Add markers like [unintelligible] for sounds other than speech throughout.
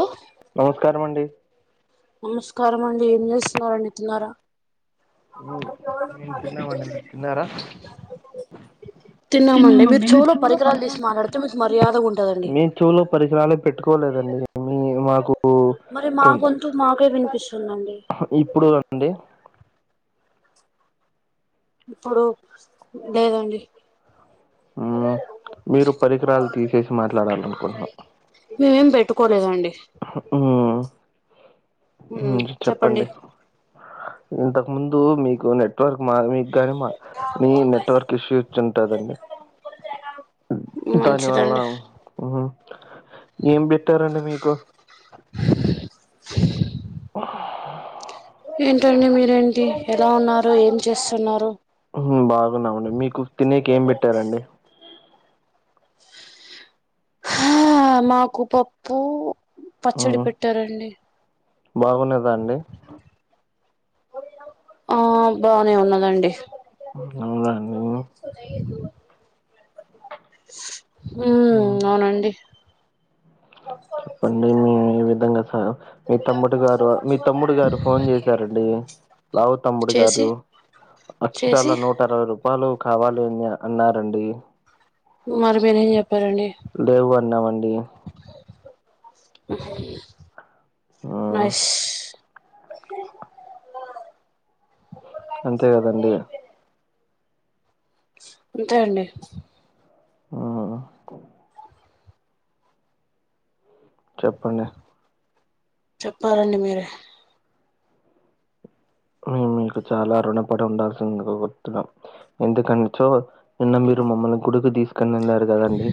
ఓ నమస్కారం అండి. నమస్కారమండి ఏం చేస్తున్నారండి తిన్నారా? మేం తిన్నామండి, మీర్ తిన్నారా? తిన్నామండి మీరు చెవులో చెవిలో తీసి పరికరాలు గురించి మీకు మాట్లాడితే మర్యాదగా ఉంటదండి [inaudible] చెవులో పరికరాలే పెట్టుకోలేదండి మీ మాకు మరి మా కొన్ గొంతు మాకే విన్పిస్తుందండి. ఇప్పుడు రండి ఇప్పుడు లేదండి. మ్ మీరు పరికరాల్ తీసేసి మాట్లాడాలనుకుంటున్న. మేమేం బెట్టుకోలేదండి. హ్ మ్ చెప్పండి ఇంతకు ముందు మీకు నెట్వర్క్ మా మీక్ గాని మాక్ నీ నెట్వర్క్ ఇష్యూ ఇచ్చుంటాదండి. దానివల్ల మంచిదండి మ్ ఏం పెట్టారండి మీకు? [inaudible] ఏంటండి మీరేంటి, ఎలా ఉన్నారు, ఏం చేస్తున్నారు? మ్ బాగున్నామండి మీకు తినేకి ఏం పెట్టారండి? ఆ మాకు పప్పూ పచ్చడి మ్ పెట్టారండి. బాగున్నదా అండి ఆ బాగనే ఉన్నదండి. అవునా అన్ మా బ్లెస్ [unintelligible] మ్ హ్మ్ అవునండి. చెప్పండి మీ ఈ విధంగా సా మీ తమ్ముడుగారు మీ తమ్ముడు గారు ఫోన్ చేసారండి లావు తమ్ముడు చేసి గారు చేసి అక్షరాల నూట అరవై రూపాలు కావాలి అని అన్నారండీ. మరి మీరేం చెప్పారండి. లేవు అన్నామండి. మ్ నష్ అంతే గదండి అంతే అండి. ఆ చెప్పండి? చెప్పాలండి మీరే మేము మీకు చాలా రుణపడి ఉండాల్సిందుకు గుర్తున్న ఎందుకనచో నిన్న మీరు మమ్మల్ని గుడికు తీసుకొనిందారు కదండి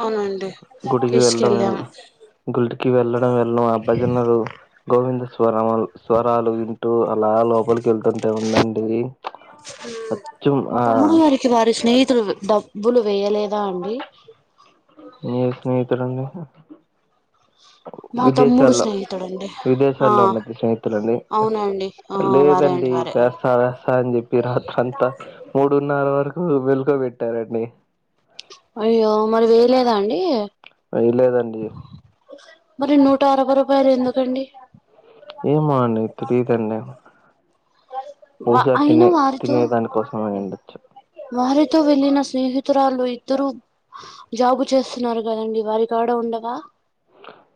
అవునండి గుడికి వెళ్ళడం తీసుకెళ్ళాం వెల్ళ గుడికి వెళ్ళడం వెళ్ళ అబ్బాజనలు గోవింద స్వరములు స్వరాలు విన్ అటు అలా లోపలికి వెళ్తుంటే ఉందండి అచ్చం ఆ చి వారి స్నేహితులు డబ్బులు వేయలేదా అండి నీ స్నేహితులండి మా తమ్ముడు విదేశాల్లో స్నేహితుడండి ఆ విదేశాల్లో ఉన్నది స్నేహితులండి అవునండి ఆ వారే లేదండి అండి వారే ఇక సరే స అని చెప్పి రాత్రంతా మూడున్నర వరకు మేలుకో పెట్టారండి అయ్యో మరి వేయలేదా అండి వెయ్య లేదండి మరి నూట అరవై రూపాయలు ఎందుకండి ఏమో అండి తెలియదండీ వా బహుశా అయిన తినే వారితో తినేదాని కోసమె అయి ఉండచ్చు వారితో వెళ్ళిన స్నేహితురాలు ఇద్దరు జాబు చేస్తున్నారు కదండి వారి కాడ ఉండవా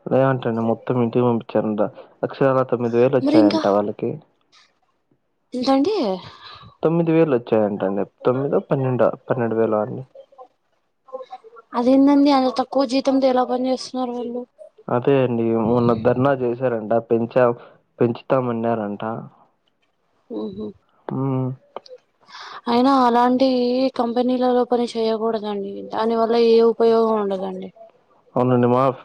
అదేంటండి మొత్తం ఇంటికి పంపించరంట అక్షరాల తొమ్మిది వేలు మరి ఇంకా వచ్చాయంట వాళ్ళకి ఎంతండి తొమ్మిది వేలు వచ్చాయంట అండి తొమ్మిదో పన్నెండో పన్నెండు వేల అండి అదేందండి అంత తక్కువ జీతంతో ఎలా పని చేస్తున్నారు వీళ్ళు అదే అండి మొన్న ధర్నా చేశారంట పెంచా పెంచుతామన్నారంట ఊహు ఊ అయినా అలాంటి కంపెనీలలో పని చేయకూడదండి దాని వల్ల ఏ ఉప్ పయోగం ఉండదండి అవునండి మస్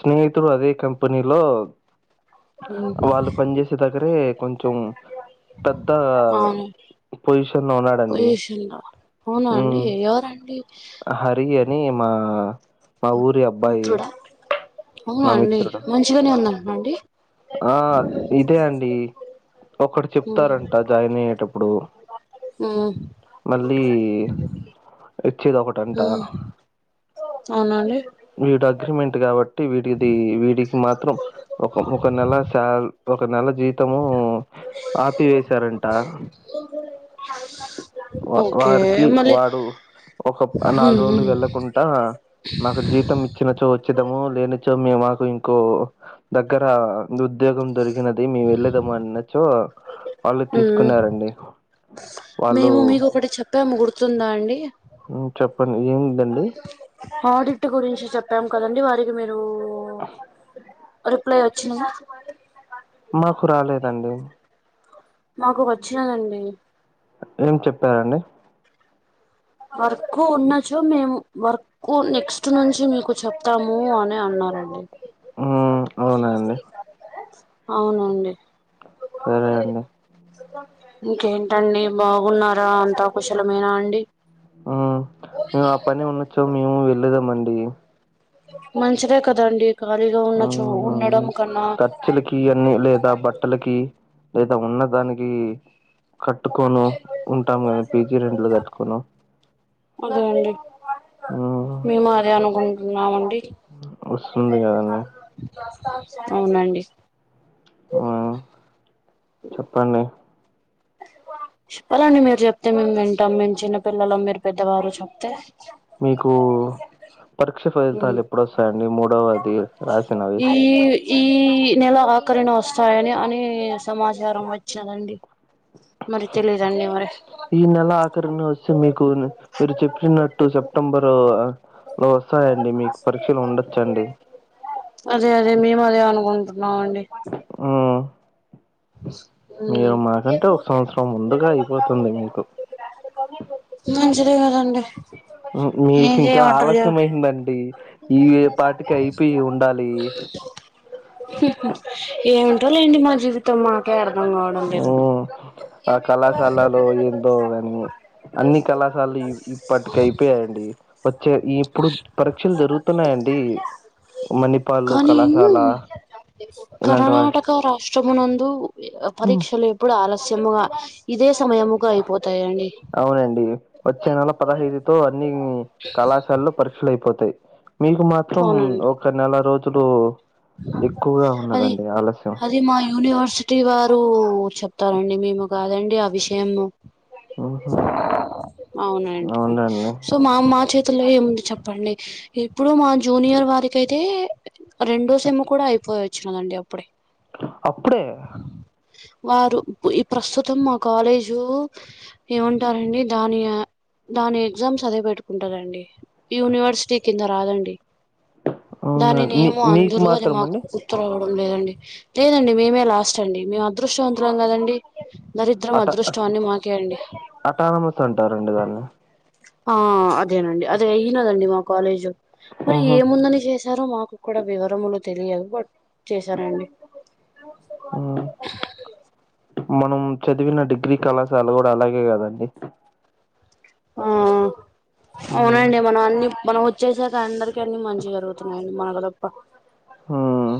స్నేహితుడు అదే కంపెనీలో ఉమ్ వాళ్ళు పని చేేసే దగ్గరే కొంచెం పెద్ద పొజిషన్ లో ఉన్నాడండి పోయషింద అవునా అండి మ్మ్ ఎవరండి హరి అని మా మా ఊరి అబ్బాయి మిత్రుడా అవునా మా అండి మిత్రుడు మంచిగానే ఉన్నా అండి ఆ ఇదే అండి ఒకటి చెప్తారంట జాయిన్ అయ్యేటప్పుడు ఆ మళ్ళీ ఇచ్చేది ఒకటంట అవునండి వీడు అగ్రిమెంట్ కాబట్టి వీటిది వీడికి మాత్రం ఒక ఒక నెల సాల్ ఒక నెల జీత్ తము ఆపి ఏశారంట ఒ పోరి వా వారికి మళ్ళీ వాడు ఒకప్ నాలుగు మ్మ్ రోజులు మ్మ్ వెళ్ళకుండా నాకు జీతం ఇ చిన్నచో వచ్చేదము లేనిచో మేము మాకు ఇంకో దగ్గర ఉద్యోగం దొరికినది మేము వెళ్ళదము అనచ్చో ఆ వాళ్ళు మేము మీకు ఒకటి చెప్పాము గుర్తుందా అండి ఉమ్ చెప్పండి ఏముందండి ఆడిక్ట్ గురించి చెప్తాం కదండి వారికి మీరు రిప్లై వచ్చిందా మాకు రాలేదండి మాకు వచ్చినదండి ఏం చెప్పారండి వర్క్ ఉన్నచో మేము వర్క్ కు నెక్స్ట్ నుంచి మీకు చెప్తాము అని అన్నారండి హ్మ్. అవునా అండి. అవునండి సరే అండి. ఇంకేంటండి బాగున్నారా అంత కుశలమేనా అండి ఉమ్ మేము ఆ పని ఉండొచ్చో మేము వెళ్లేదాము అండి మంచిదే కదండి ఖాళీగా ఉన్నచో హ్మ్. హ్మ్. ఉండడం కన్నా ఖర్చులకి అన్ని లేదా బట్టలకి లేదా ఉన్నదానికి కట్టుకోను ఉంటాం కదా పీజీ రెంట్లు కట్టుకోను అదే అండి హ్మ్. మేము అదే అనుకుంటున్నామండి వస్తుందిగాదండి అవునండి ఆమ్ చెప్పండి చెప్పాలండి మీరు చెప్తే మేం వింటాం మేం చిన్నపిల్లలం మీరు పెద్దవారు చెప్తే మీకు పరీక్ష ఉమ్ ఫలితాలు ఎప్పుడొస్తాయండి మూడోవది ఈ ఈ నెల ఆఖరిన వస్తాయని అని సమాచారం వచ్చిందండి మరి తెలియదండి మరి ఈ నెల ఆఖరిన వస్తే మీకు మీరు చెప్పినట్టు సెప్టెంబరు రో వస్తాయండి మీకు పరీక్షలు ఉండొచ్చండి అదే అదే మేము అదే అనుకుంటున్నాం అండి హ్మ్. మీరు మాకంటే ఒక సంవత్సరం ముందుగా అయిపోతుంది మీకు మంచిదే కదండి ఏం మీకు ఇంకా చేయమంటారు ఆలస్యం చెప్ అయిందండి ఈ పాటికి అయిపోయి ఉండాలి హుహుమ్ ఏమిటోలేండి మా జీవితం మాకే అర్థం కావడం లేదు హ్మ్. ఆ కళాశాలలో ఏందో అవి అన్ని అన్ని కళాశాలలు ఇప్పటికే అయిపోయాయండి వచ్చే ఇప్పుడు పరీక్షలు జరుగుతున్నాయండి మణిపాల్లు కానీ కళాశాల ఇలాంటి వా కర్ణాటక ష్టము నందు హ్మ్. పరీక్షలెప్పుడు ఆలస్యముగా ఇదే సమయముగా అయిపోతాయండి అవునండి వచ్చే నెల పదహైదు తో అన్ని కళాశాలలో పరీక్షలు అయిపోతాయి మీకు మాత్రం అవునండి ఒక నెల రోజులు ఎక్కువగా ఉన్నదండి ఆలస్యం ఇది మా యూనివర్సి సిటి వారు చెప్తారండి మేము కాదండి ఆ విషయము ఉహు అవునండి అవునండి సో మా మా చేతుల్లో ఏముంది చెప్పండి ఇప్పుడు మా జూనియర్ వారికి అయితే రెండో సెమ్ కూడా ఐపోయి వచ్చినాదండి అప్పుడే అప్పుడే వారు ప్ ఇ ప్రస్తుతం మా కాలేజు ఏమంటారండి దాని దాని ఎగ్జామ్స్ అదే పెట్టుకుంటారండి యూనివర్సిటీ కింద రాదండి అవున మీ దానినేమో మీకు అందరూ అది మాత్రం మాకు అండి గుర్తు రావడం లేదండి లేదండి మేమే లాస్ట్ అండి మేము అదృష్టవంతులం కదండి దరిద్రం అట అదృష్టం అన్ని మాకే అండి అటానమస్ అంటారండి దాన్ని ఆ అదేనండి అదే అయినదండి మా కాలేజ్ మరి ఉహు ఏముందని చేస్ స్తారో మాకు కూడా వివరములు తెలియదు బట్ చేశారండి ఆ మనం చదివిన డిగ్రీ కళాశాల కూడా అలాగే కదండి ఆ ఉమ్ అవునండి మనం అన్ని మనం వ చ్చేసాక అందరికి అన్ని మంచిగ జరుగుతున్నాయి మనకు తప్ప ఉమ్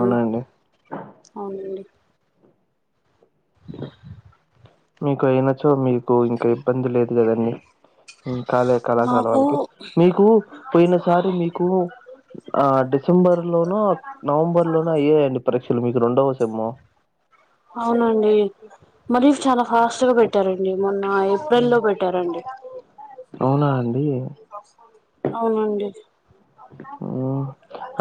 మ్మ్ అవునండి మీకు అయినచో మీకు ఇంక ఇబ్బంది లేదు కదండి మ్మ్ కాలే కళాశాల వాళ్ళకి నాకు మీకు పోయినసారి మీకు ఆ డిసెంబర్ లోనో నవంబర్ లోనో అయ్యాయండి పరీక్షలు మీకు రెండవ సెమ్ము అవునండి మరీ చాలా ఫాస్ట్ గా పెట్టారండి మొన్న ఏప్రిల్ హ్మ్. లో పెట్టారండి అవునా అండి అవునండి మ్మ్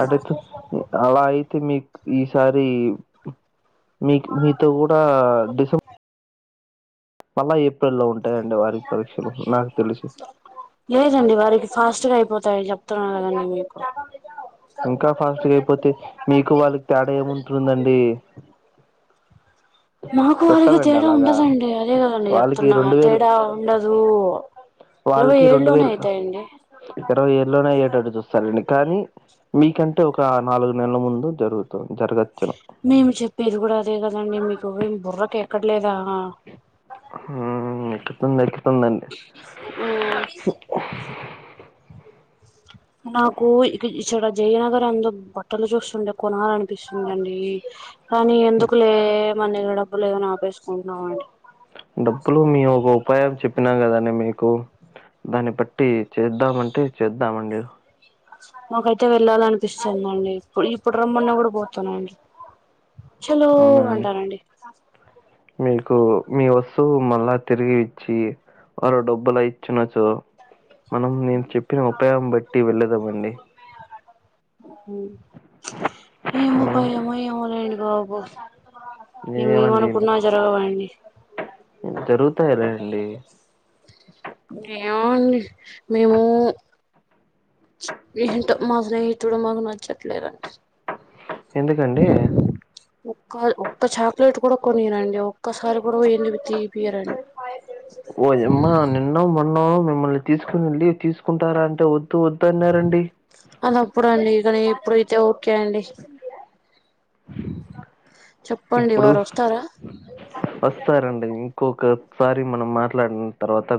అట్టయితే మ్మ్ అలా అయితే మీకు ఈసారి మీకు మీతో కూడా డిసెంబ మళ్ళా ఏప్రెల్లో ఉంటాయండి వారికి పరీక్షలు నాకు తెలిసి లేదండి వారికి ఫాస్ట్గా అయిపోతాయి చెప్తున్నారు కదండి మీకు ఇంకా ఫాస్టుగయిపోతే మీకు వాళ్ళకి తేడా ఏముంటుందండి మాకు వారికి పెట్టరండి తేడా అలాగా. ఉండదండి అదే కదండి వాళ్ళకి చెప్తున్నా తేడా ఉండదు ఇరవై వాళ్ళకి ఏడ్లోనే అయితాయండి ఇరవై ఈడు లోనే అయ్యేటటు చూస్తారండి కానీ మీకంటే ఒక నాలుగు నెలల ముందు జరుగుతుంది జరగచ్చు మేముచెప్పేది కూడా అదే కదండి మీకు ఏం బుర్రకెక్కట్లేదా మ్మ్ ఎక్కుతుంది ఎక్కుతుందండీ మ్మ్ నాకు ఇక ఇచ్చడా జయ నగర్ అందు బట్టలు చూస్తుండె కొనాలని పిస్తుందండి కానీ ఎందుకు లే మన దగ్గర డబ్బు లేదని ఆపేసుకుంటున్నం అండి డబ్బులు మీ ఒక ఉపాయం చెప్పినాం కదండి మీకు దాన్ని బట్టి చేద్దామంటే చేద్దామండి నాకైతే వెళ్ళాలనిపిస్తుందండి ఇప్పు ఇప్పుడు రమ్మన్నా కూడా పోతానండి చలో అవునా అండి అంటానండి మీకు మీ వస్తువు మళ్ళా తిరిగి ఇచ్చి మరో డబ్బుల ఇచ్చినచ్చో మనం నేను చెప్పిన ఉపాయం బట్టి వెళ్ళెదమండి మ్మ్ ఏమో ప హ్మ్ ఏమో ఏమో రండి బాబు మేము ఏం నేనేమండి అనుకున్నా జరగవండి జరుగుతాయిలెండి ఏమో అండి మేము ఏంటో మా స్నేహితుడు మాకు నచ్చట్లేదండి ఎందుకండి ఒ ఒక్క చాక్లెట్ కూడా కొనిరండి ఒక్కసారి కూడా పోయందివి తీపియరండి ఓయమ్మా నిన్నో మొన్నో మిమ్మల్ని తీసుకొని వెళ్ళి తీసుకుంటారా అంటే వద్దు వద్దు అన్నారండి అది అప్పుడు అండి ఇకనీ ఇప్పుడైతే ఓకే అండి చెప్పండి ఇప్పుడు వారొస్తారా వస్తారండి ఇంకొకసారి మనం మాట్లాడిన తర్వాత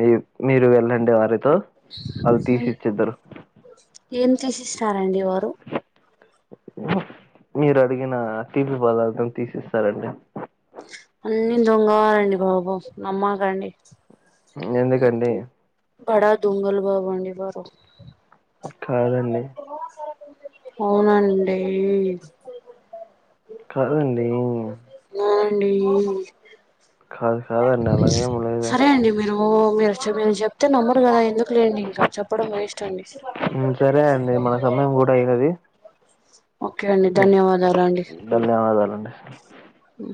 మీ మీరు వెళ్ళండి వారితో వాళ్ళు తీసిచ్చిద్దరు ఏం తీసిస్తారండి వారు మీరు అడిగిన తీపి పదార్థం తీసి ఇస్తారండి అన్ని దొంగవాలండి బాబు నమ్మకండి ఎందుకండి బడా దొంగలు బాబండి వారు కాదండి అవునండి కాదండి అవునండి కాదు కాదండి అలా ఏం లేదు సరే అండి ఓ మీరు మీరు చెప్తే నమ్మరు కదా ఎందుకులేండి ఇంకా చెప్పడం వేస్ట్ అండి సరే అండి మన సమయం కూడా అయినది ఓకే అండి ధన్యవాదాలండి ధన్యవాదాలండి ఉ